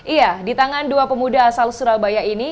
iya di tangan dua pemuda asal surabaya ini